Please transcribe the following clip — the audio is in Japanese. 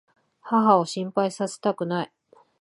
母を心配させたくない。